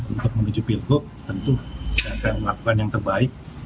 untuk menuju pilgub tentu saya akan melakukan yang terbaik